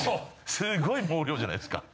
すっごい毛量じゃないですか。